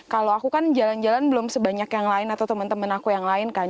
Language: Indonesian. kalau aku kan jalan jalan belum sebanyak yang lain atau temen temen aku yang lain kan